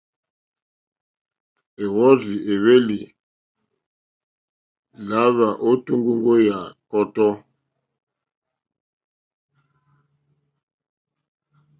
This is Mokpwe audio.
Èwɔ́rzì èhwélì lǎhwà ô tóŋgóŋgó yà kɔ́tɔ́.